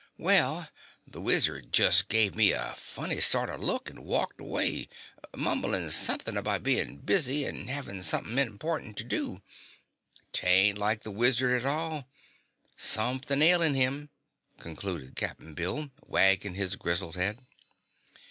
Well, the Wizard jest gave me a funny sort o' look and walked away, mumblin' somethin' about bein' busy and havin' somethin' important to do. 'Tain't like the Wizard at all. Somethin' ailin' him," concluded Cap'n Bill, wagging his grizzled head.